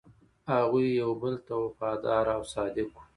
هغوی یو بل ته وفادار او صادق وو.